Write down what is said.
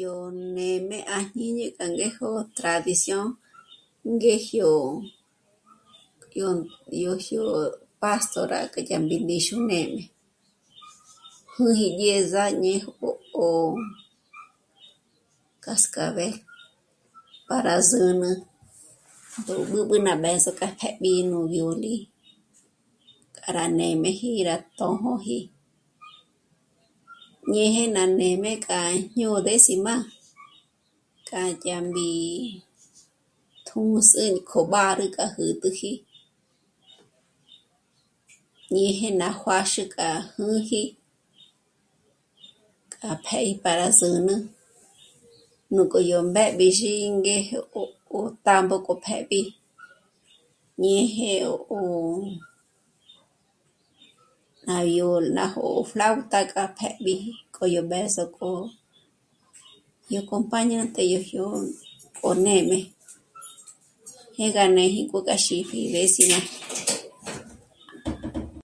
Yó nêjme à jñíni k'a ngéjo tradición ngéjyó, ngéjyó Pastora k'a yá mbíndíxu nê'me. Jû'u gí jyéza ñej... ó... ó... cascabel para zǚnü. Gó b'ǚb'ü k'a b'ë̌zo k'a tjé'b'i nú dyôd'i k'a rá nê'meji rá tṓjōji ñeje ná nê'me k'a ñô décima k'a yá mbí tjū̌ndzi k'o mbàrü k'a jä̀t'äji, ñeje ná juâzhi k'a jū̂ji k'a pé'pj'a rí zǚnü, núk'o yó mbépjixí ngé ó... tambo k'o pë́'b'i ñeje ó... ná yó ná jó'o flauta kja pë́'b'iji k'o yó b'ë̌zo k'o ñe acompañante jyó k'o nê'me. Jé gá néji k'o rá xípji décima...